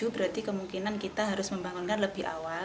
berarti kemungkinan kita harus membangunkan lebih awal